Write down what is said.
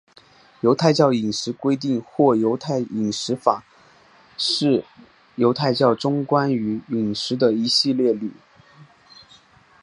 犹太教饮食规定或犹太饮食法是犹太教中关于饮食的一系列律。